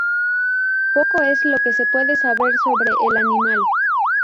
Poco es lo que se puede saber sobre el animal.